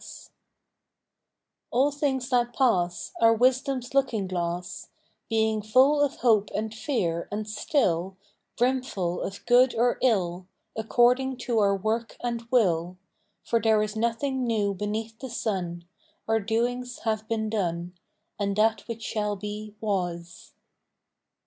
IF LOVE IS NOT 165 All things that pass Are wisdom's looking glass; Being full of hope and fear, and still Brimful of good or ill, According to our work and will; For there is nothing new beneath the sun; Our doings have been done, And that which shall be was.